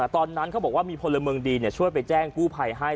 ตอนนั้นเขาบอกว่ามีพลเมืองดีช่วยไปแจ้งกู้ภัยให้